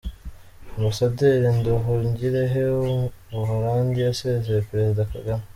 Ambasaderi Nduhungirehe w’u Buhorandi yasezeye Perezida Kagame